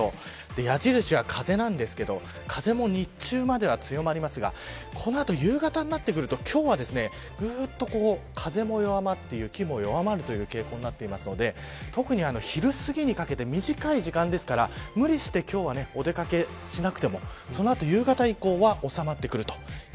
矢印は風なんですけれど風も日中までは強まりますがこの後、夕方になってくると今日は風も弱まって雪も弱まる傾向になっているので特に昼すぎにかけて短い時間ですから無理して今日はお出掛けしなくてもその後夕方以降はおさまってくるという。